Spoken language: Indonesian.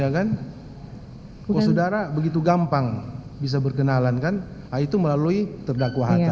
kok saudara begitu gampang bisa berkenalan kan itu melalui terdakwah hatta